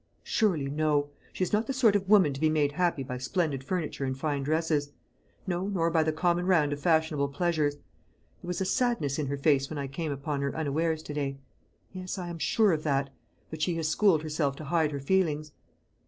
Surely no. She is not the sort of woman to be made happy by splendid furniture and fine dresses; no, nor by the common round of fashionable pleasures. There was sadness in her face when I came upon her unawares to day. Yes, I am sure of that. But she has schooled herself to hide her feelings."